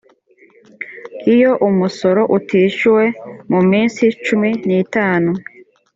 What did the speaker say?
iyo umusoro utishyuwe mu minsi cumi n itanu